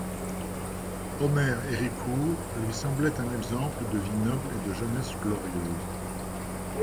Omer Héricourt lui semblait un exemple de vie noble et de jeunesse glorieuse.